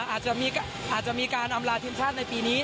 อาจจะมีการอำลาทีมชาติในปีนี้